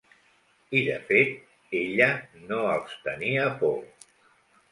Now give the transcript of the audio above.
I, de fet, ella no els tenia por.